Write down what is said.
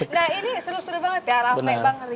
nah ini seru seru banget ya rahmi